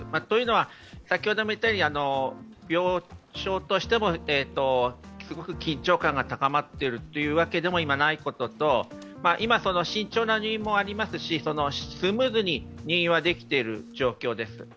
というのは病床としてもすごく緊張感が高まっているというわけでも、今ないことと、今慎重にもありますしスムーズに入院はできている状況です。